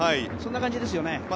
そんな感じですね。